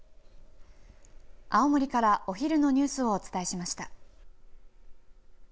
青森からお昼のニュースをお伝えしました。